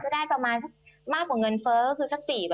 ได้ประมาณมากกว่าเงินเฟ้อคือสัก๔๐๐